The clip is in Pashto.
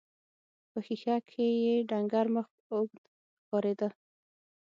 په ښيښه کې يې ډنګر مخ اوږد ښکارېده.